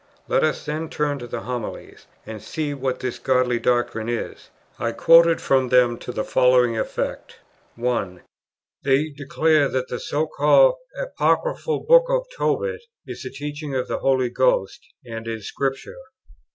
Let us then turn to the Homilies, and see what this godly doctrine is: I quoted from them to the following effect: 1. They declare that the so called "apocryphal" book of Tobit is the teaching of the Holy Ghost, and is Scripture.